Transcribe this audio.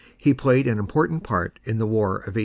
He played an important part in the War of 1812.